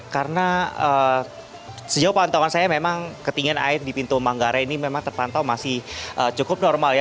karena sejauh pantauan saya memang ketingin air di pintu manggare ini memang terpantau masih cukup normal ya